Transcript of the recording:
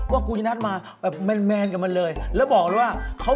ว่ากูยัดมาแบบแมนแมนกันมาเลยแล้วบอกเลยว่า